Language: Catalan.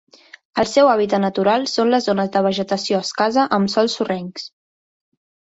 El seu hàbitat natural són les zones de vegetació escassa amb sòls sorrencs.